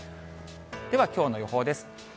ではきょうの予報です。